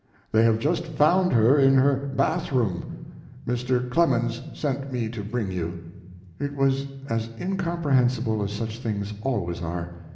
They have just found her in her bath room. Mr. Clemens sent me to bring you." It was as incomprehensible as such things always are.